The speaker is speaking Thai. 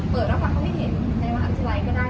เปิดรับฟังของประชาชนในมหาศาลัยก็ได้